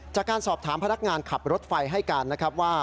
จากการสอบถามพนักงานขับรถไฟให้การนะครับว่า